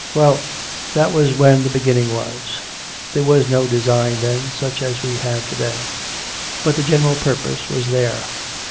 Well, that was when the beginning was. There was no design then, such as we have to day; but the general purpese was there.